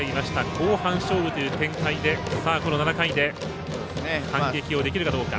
後半勝負という展開で７回で反撃をできるかどうか。